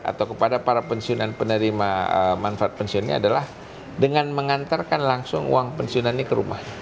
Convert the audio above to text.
atau kepada para pensiunan penerima manfaat pensiunnya adalah dengan mengantarkan langsung uang pensiunan ini ke rumah